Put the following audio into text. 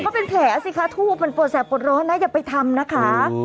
เป็นแผลสิคะทูบมันปวดแสบปวดร้อนนะอย่าไปทำนะคะ